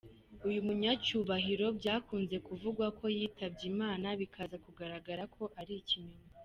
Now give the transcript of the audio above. Uyu munyacyubahiro byakunze kuvugwa ko yitabye Imana, bikaza kugaragara ko ari ikinyoma.